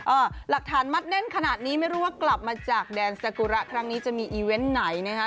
หลักฐานมัดแน่นขนาดนี้ไม่รู้ว่ากลับมาจากแดนสกุระครั้งนี้จะมีอีเวนต์ไหนนะคะ